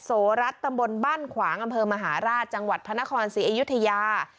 โสรัสตำบลบ้านขวางอำเภอมหาราชจังหวัดพระนครศรีอยุธยา